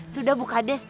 sudah bu kades